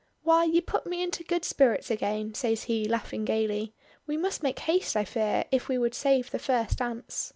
"Why you put me into good spirits again," says he laughing gaily. "We must make haste, I fear, if we would save the first dance."